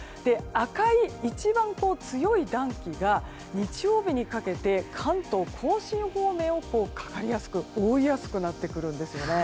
赤い一番強い暖気が日曜日にかけて関東・甲信方面に覆いやすくなってくるんですね。